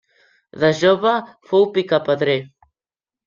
De jove fou picapedrer.